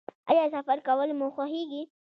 ایا سفر کول مو خوښیږي؟